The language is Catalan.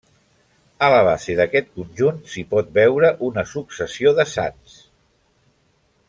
A la base d'aquest conjunt, s'hi pot veure una successió de sants.